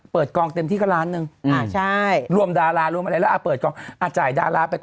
โปรดติดตามตอนต่อไป